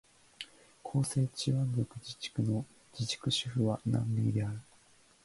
広西チワン族自治区の自治区首府は南寧である